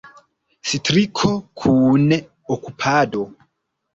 Striko kun okupado.